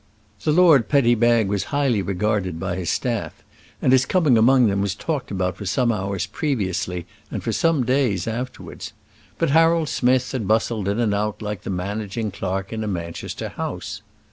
The Lord Petty Bag then was highly regarded by his staff, and his coming among them was talked about for some hours previously and for some days afterwards; but Harold Smith had bustled in and out like the managing clerk in a Manchester house.